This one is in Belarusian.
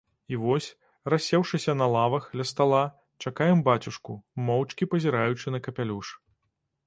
І вось, рассеўшыся на лавах, ля стала, чакаем бацюшку, моўчкі пазіраючы на капялюш.